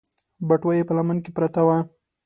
بټوه يې په لمن کې پرته وه.